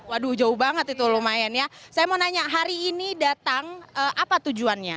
waduh jauh banget itu lumayan ya saya mau nanya hari ini datang apa tujuannya